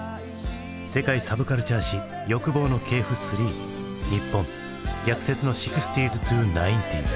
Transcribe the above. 「世界サブカルチャー史欲望の系譜３日本逆説の６０−９０ｓ」。